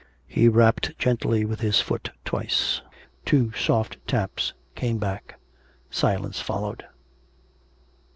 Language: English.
He rapped gently with his foot twice. Two soft taps came back. Silence followed.